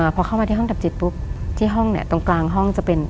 พอเข้ามาที่ห้องดับจิตปุ๊บที่ห้องเนี่ยตรงกลางห้องจะเป็น